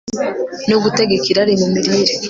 no Gutegeka Irari mu Mirire